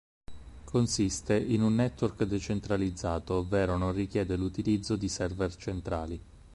Consiste in un network decentralizzato, ovvero non richiede l'utilizzo di server centrali.